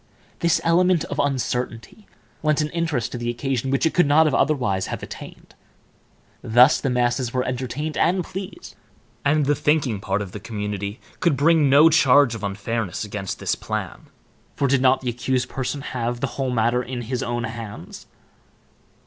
This element of uncertainty lent an interest to the occasion which it could not otherwise have attained. Thus, the masses were entertained and pleased, and the thinking part of the community could bring no charge of unfairness against this plan, for did not the accused person have the whole matter in his own hands?